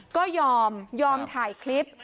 ก็ยอมยอมถ่ายคลิป